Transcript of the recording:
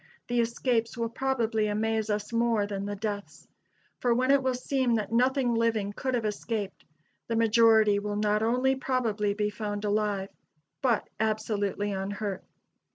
] the escapes will probably amaze us more than the deaths; for when it will seem that nothing living could have escaped, the majority will not only probably be found alive, but absolutely unhurt.